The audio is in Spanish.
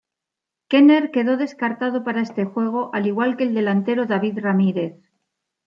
Kenner quedó descartado para este juego, al igual que el delantero David Ramírez.